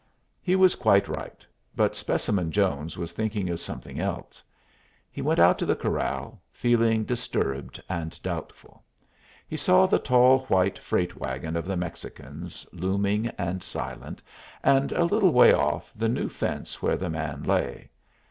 He was quite right, but Specimen Jones was thinking of something else. He went out to the corral, feeling disturbed and doubtful. He saw the tall white freight wagon of the Mexicans, looming and silent, and a little way off the new fence where the man lay.